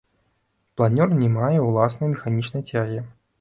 Планёр не мае ўласнай механічнай цягі.